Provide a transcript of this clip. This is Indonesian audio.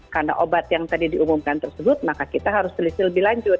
karena kita sudah mendapat diistics ada juga di gospers shelley gelang ini